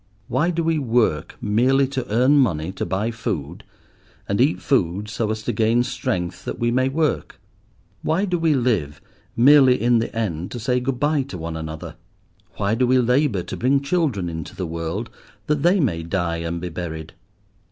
Why do we work merely to earn money to buy food; and eat food so as to gain strength that we may work? Why do we live, merely in the end to say good bye to one another? Why do we labour to bring children into the world that they may die and be buried?